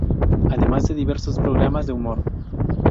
Además de diversos programas de humor.